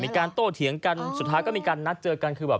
มีการโตเถียงกันสุดท้ายก็มีการนัดเจอกัน